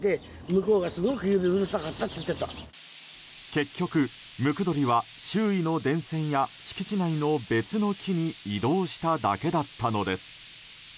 結局、ムクドリは周囲の電線や敷地内の別の木に移動しただけだったのです。